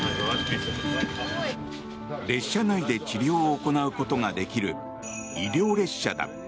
列車内で治療を行うことができる医療列車だ。